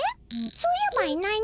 そういえばいないね。